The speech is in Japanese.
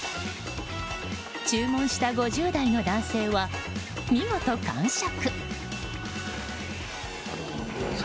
注文した５０代の男性は見事完食。